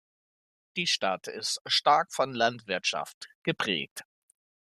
Die Stadt ist stark von Landwirtschaft geprägt.